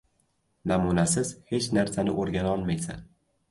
Namunasiz hech narsani o‘rga-nolmaysan.